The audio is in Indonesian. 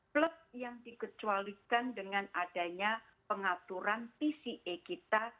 plus yang dikecualikan dengan adanya pengaturan pca kita